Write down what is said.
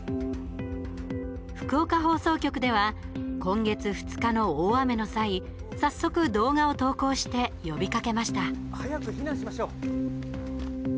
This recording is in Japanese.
福岡放送局では今月２日の大雨の際早速、動画を投稿して呼びかけました。